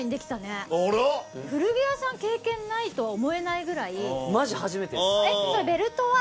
古着屋さん経験ないとは思えないぐらい。